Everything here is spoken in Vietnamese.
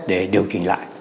để điều chỉnh lại